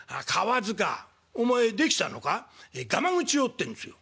「『がまぐちを』ってんですよ」。